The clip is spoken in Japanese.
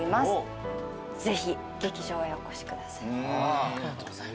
ぜひ劇場へお越しください。